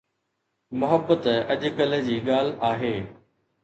محبت اڄڪلهه جي ڳالهه آهي